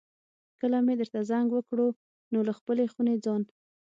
کله مې درته زنګ وکړ نو له خپلې خونې ځان.